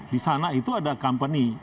di sana itu ada company